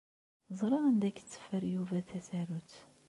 Ẓriɣ anda ay yetteffer Yuba tasarut.